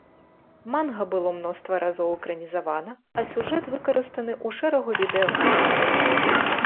Манга была мноства разоў экранізавана, а сюжэт выкарыстаны ў шэрагу відэа-гульняў.